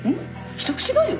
一口がゆ？